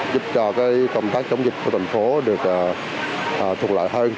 giúp cho công tác chống dịch của thành phố được thuận lợi hơn